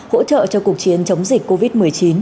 hỗ trợ cho cuộc chiến chống dịch covid một mươi chín